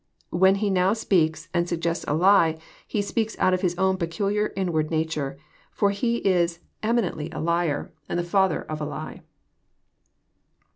When he now speaks and sug gests a lie, he speaks out of his own peculiar inward nature, for he is emieutly a liar, and the father of a lie.'